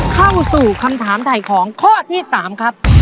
เข้าสู่คำถามถ่ายของข้อที่๓ครับ